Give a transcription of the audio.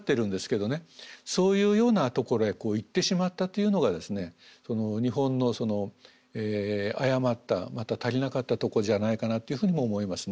そういうようなところへいってしまったというのがですね日本の誤ったまた足りなかったとこじゃないかなっていうふうにも思いますね。